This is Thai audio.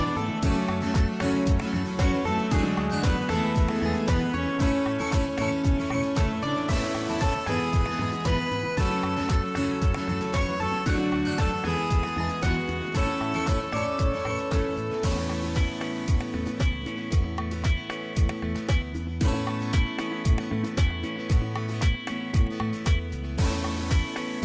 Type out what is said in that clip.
โปรดติดตามตอนต่อไป